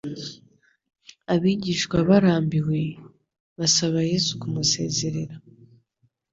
Abigishwa barambiwe, basaba Yesu kumusezerera.